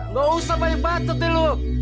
nggak usah banyak bacet nih lu